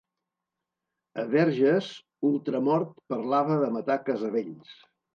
A Verges, Ultramort parlava de matar Casavells.